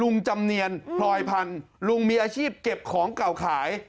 จำเนียนพลอยพันธุ์ลุงมีอาชีพเก็บของเก่าขาย